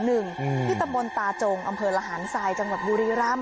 ที่ตำบลตาจงอำเภอระหารทรายจังหวัดบุรีรำ